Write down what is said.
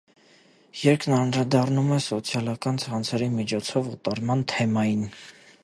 Երգն անդրադառնում է սոցիալական ցանցերի միջոցով օտարման թեմային։